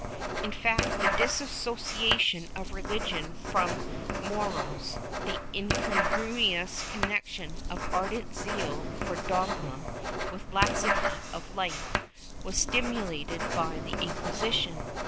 ^ In fact, the dissociation of religion from morals— the incon gruous connection of ardent zeal for dogma with laxity of life was stimulated by the Inquisition.